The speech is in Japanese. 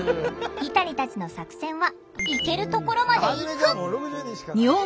イタニたちの作戦は「行けるところまで行く」。